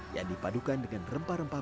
yang dipadukan dengan rempah rempah